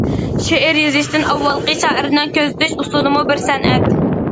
شېئىر يېزىشتىن ئاۋۋالقى شائىرنىڭ كۆزىتىش ئۇسۇلىمۇ بىر سەنئەت.